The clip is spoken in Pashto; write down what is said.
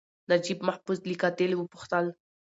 نجیب محفوظ له قاتل وپوښتل.